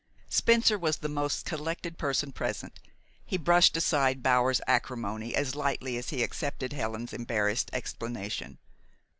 Spencer was the most collected person present. He brushed aside Bower's acrimony as lightly as he had accepted Helen's embarrassed explanation.